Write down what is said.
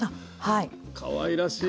かわいらしい。